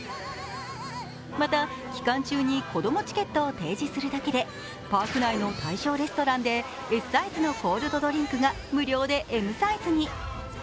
また、期間中に子供チケットを提示するだけで、パーク内の対象レストランでＳサイズのコールドドリンクが無料でＭサイズに。